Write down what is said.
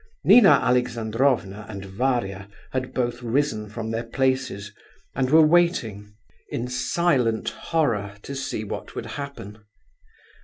Nina Alexandrovna and Varia had both risen from their places and were waiting, in silent horror, to see what would happen.